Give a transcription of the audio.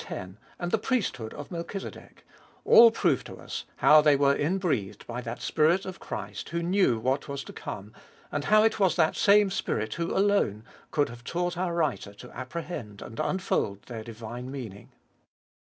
and the priesthood of Melchizedek ; all prove to us how they were inbreathed by that Spirit of Christ who knew what was to come, and how it was that same Spirit who alone could have taught our writer to apprehend and unfold their divine meaning.